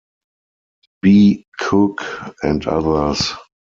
B. Cook, and others.